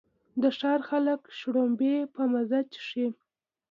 د ښار خلک شړومبې په مزه څښي.